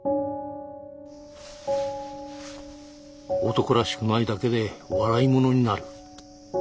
男らしくないだけで笑い者になる。